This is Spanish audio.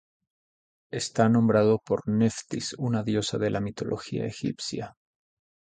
Está nombrado por Neftis, una diosa de la mitología egipcia.